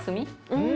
うん。